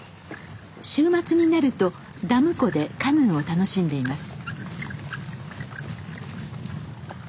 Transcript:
週末になるとダム湖でカヌーを楽しんでいます。